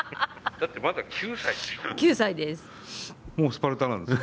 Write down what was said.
だって、まだ９歳でしょ？